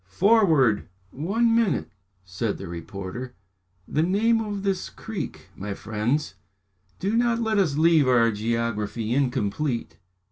Forward!" "One minute," said the reporter. "The name of this creek, my friends? Do not let us leave our geography incomplete."